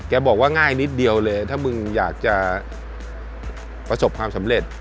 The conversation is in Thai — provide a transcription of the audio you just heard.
บอกว่าง่ายนิดเดียวเลยถ้ามึงอยากจะประสบความสำเร็จ